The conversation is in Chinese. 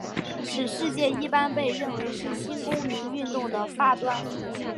此事件一般被认为是新公民运动的发端。